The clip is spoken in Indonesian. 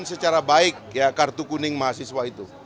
dan secara baik ya kartu kuning mahasiswa itu